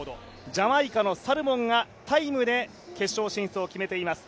ジャマイカのサルモンがタイムで決勝進出を決めています。